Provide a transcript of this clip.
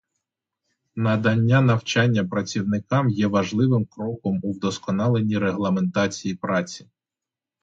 Надання навчання працівникам є важливим кроком у вдосконаленні регламентації праці.